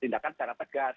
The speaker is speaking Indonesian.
mereka akan secara tegas